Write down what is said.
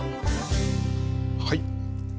はい。